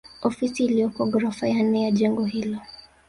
Ofisi iliyoko ghorofa ya nne ya jengo hilo